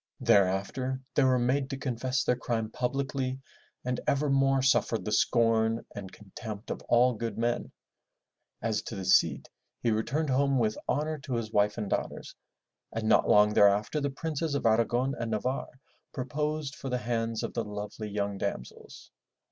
Thereafter they were made to confess their crime publicly and ever more suffered the scorn and contempt of all good men. As to the Cid, he returned home with honor to his wife and daughters and not long thereafter the Princes of Aragon and Navarre proposed for the hands of the lovely young damsels.